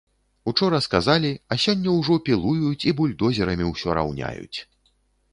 Учора сказалі, а сёння ўжо пілуюць і бульдозерамі ўсё раўняюць!